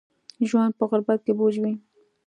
ژوند په غربت کې بوج وي